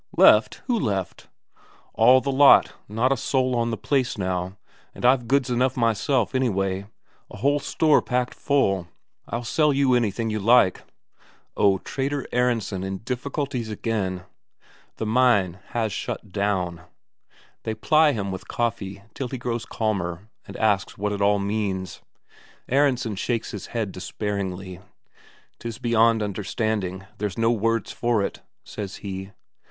"Left? Who left?" "All the lot. Not a soul on the place now. And I've goods enough myself, anyway. A whole store packed full. I'll sell you anything you like." Oh, Trader Aronsen in difficulties again! The mine has shut down. They ply him with coffee till he grows calmer, and asks what it all means. Aronsen shakes his head despairingly. "'Tis beyond understanding, there's no words for it," says he.